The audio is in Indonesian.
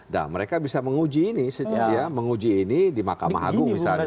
nah mereka bisa menguji ini menguji ini di mahkamah agung misalnya